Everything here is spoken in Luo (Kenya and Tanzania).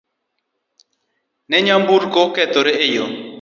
Ne nyamburko okethore e yoo